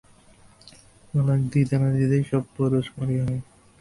তালাক দিতে না দিতেই, সব পুরুষ তার সাথে সেক্স করতে মরিয়া হয়ে ওঠে।